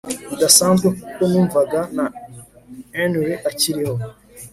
bidasanzwe kuko numvaga na Henry akiriho